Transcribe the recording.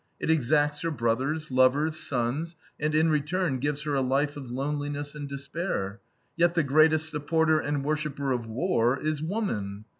It exacts her brothers, lovers, sons, and in return gives her a life of loneliness and despair. Yet the greatest supporter and worshiper of war is woman.